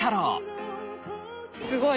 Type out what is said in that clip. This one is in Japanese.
すごい。